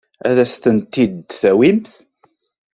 Ad as-tent-id-tawimt?